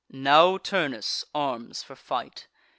Now Turnus arms for fight.